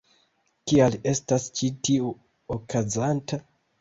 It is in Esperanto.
Kial estas ĉi tiu okazanta?